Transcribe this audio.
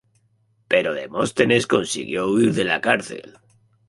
Pero Demóstenes consiguió huir de la cárcel.